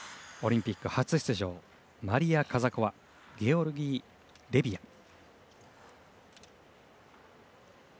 オリンピック初出場マリア・カザコワゲオルギー・レビヤ。